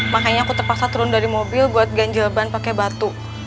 makanya aku terpaksa turun dari mobil buat ganjil ban pakai batu